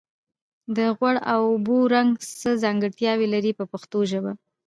د غوړ او اوبو رنګ څه ځانګړتیاوې لري په پښتو ژبه.